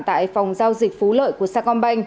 tại phòng giao dịch phú lợi của sa còn bành